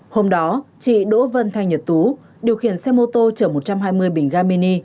hôm đó chị đỗ văn thanh nhật tú điều khiển xe mô tô chở một trăm hai mươi bình ga mini